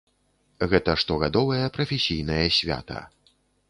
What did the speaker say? Гэта штогадовае прафесійнае свята.